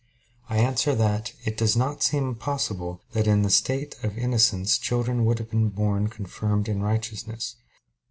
I answer that, It does not seem possible that in the state of innocence children would have been born confirmed in righteousness.